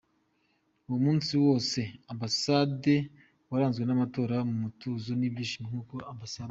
Uwo munsi wose muri Ambassade waranzwe n’amatora mu mutuzo n’ibyishimo nkuko Amb.